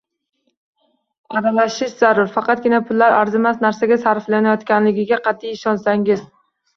Aralashish zarur, faqatgina pullar arzimas narsaga sarflanayotganligiga qat’iy ishonsangiz.